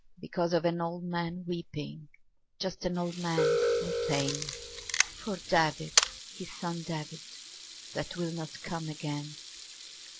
Because of an old man weeping, Just an old man in pain. For David, his son David, That will not come again.